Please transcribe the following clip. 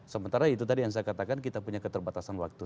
sementara itu tadi yang saya katakan kita punya keterbatasan waktu